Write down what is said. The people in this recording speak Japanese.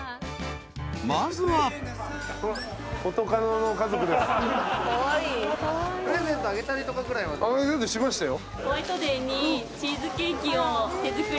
［まずは］しましたよ。